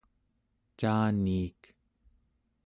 caaniik